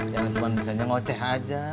jangan cuma bisanya ngoceh aja